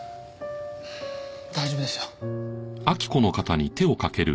大丈夫ですよ。